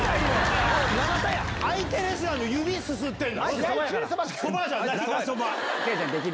相手レスラーの指すすってんだろ？